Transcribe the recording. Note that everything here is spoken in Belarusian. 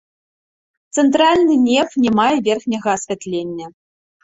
Цэнтральны неф не мае верхняга асвятлення.